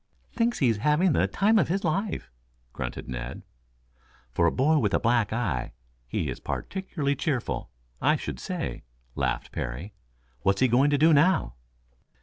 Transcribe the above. "Thinks he's having the time of his life," grunted Ned. "For a boy with a black eye, he is particularly cheerful, I should say," laughed Parry. "What's he going to do now!"